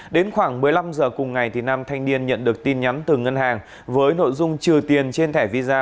đến khoảng một mươi năm h cùng ngày nam thanh niên nhận được tin nhắn từ ngân hàng với nội dung trừ tiền trên thẻ visa